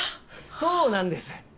そうなんです。